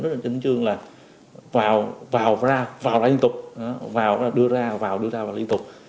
nói trên trang trường là vào ra vào ra liên tục vào ra đưa ra vào ra đưa ra liên tục